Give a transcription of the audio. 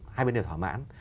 hai bên đều thỏa mãn